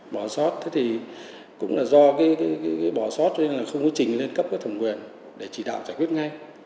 bỏ sót thì cũng là do cái bỏ sót cho nên là không có trình lên cấp các thổng quyền để chỉ đạo giải quyết ngay